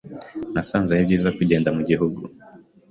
Nasanze ari byiza kugenda mu gihugu.